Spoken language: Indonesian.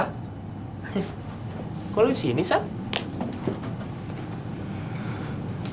benar semalam lo bantuin dewi nyariin maya